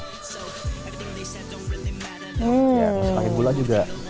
selain gula juga